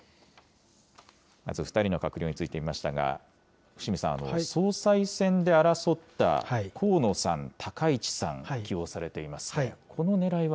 まず２人の閣僚について見ましたが、伏見さん、総裁選で争った河野さん、高市さん、起用されていますね。